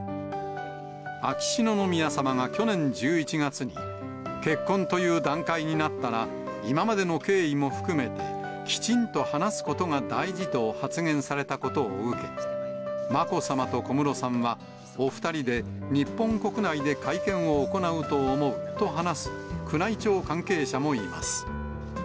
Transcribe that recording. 秋篠宮さまが去年１１月に、結婚という段階になったら、今までの経緯も含めて、きちんと話すことが大事と発言されたことを受け、まこさまと小室さんは、お２人で、日本国内で会見を行うと思うと話す宮内庁関係者もいます。